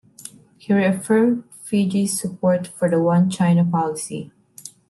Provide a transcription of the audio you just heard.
He reaffirmed Fiji's support for the One China policy.